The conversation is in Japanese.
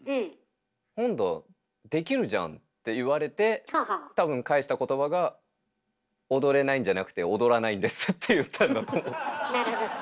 「何だできるじゃん」って言われて多分返した言葉が「踊れないんじゃなくて踊らないんです」って言ったんだと思うんですよね。